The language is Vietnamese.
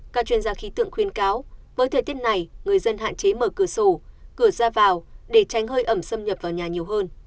các chuyên gia khí tượng khuyên cáo với thời tiết này người dân hạn chế mở cửa sổ cửa ra vào để tránh hơi ẩm xâm nhập vào nhà nhiều hơn